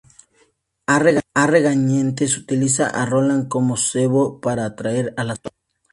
A regañadientes utiliza a Roland como cebo para atraer a la sombra.